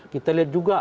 kita lihat juga